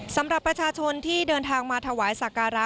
สำหรับประชาชนที่เดินทางมาถวายสักการะ